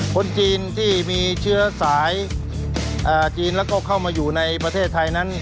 คนจีนที่มีเชื้อสายจีนแล้วก็เข้ามาอยู่ในประเทศไทยนั้น